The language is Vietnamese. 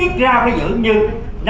ít ra phải giữ như năm hai nghìn một mươi tám